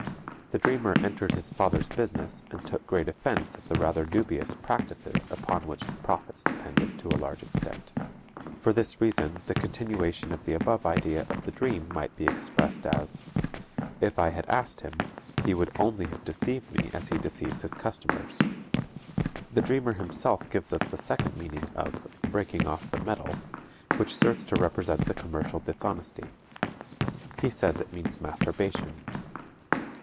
The dreamer entered his father's business and took great offense at the rather dubious practices upon which the profits depended to a large extent. For this reason the continuation of the above idea of the dream might be expressed as "if I had asked him, he would only have deceived me as he deceives his customers." The dreamer himself gives us the second meaning of "breaking off the metal," which serves to represent the commercial dishonesty. He says it means masturbation.